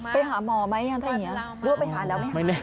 ไปหาหมอมั้ยถ้าอย่างนี้